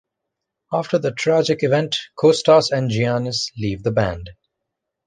After that tragic event, Kostas and Giannis leave the band.